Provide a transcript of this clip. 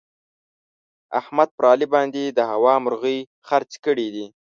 احمد پر علي باندې د هوا مرغۍ خرڅې کړې دي.